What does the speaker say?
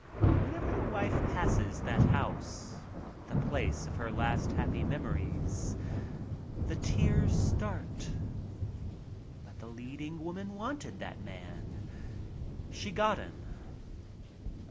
Whenever the wife passes that house — the place of her last happy memories, the tears start. But — the leading woman wanted that man. She got him.